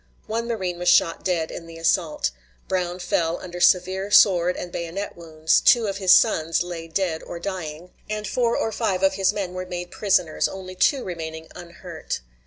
One marine was shot dead in the assault; Brown fell under severe sword and bayonet wounds, two of his sons lay dead or dying, and four or five of his men were made prisoners, only two remaining unhurt.